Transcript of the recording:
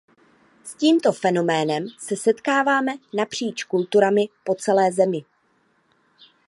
S tímto fenoménem se setkáváme napříč kulturami po celé Zemi.